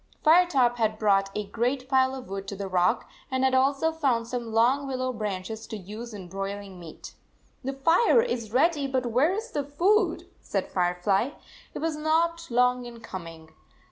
Firetop had brought a great pile of wood 81 to the rock, and had also found some long willow branches to use in broiling meat. 11 The fire is ready, but where is the food?" said Firefly. It was not long in coming.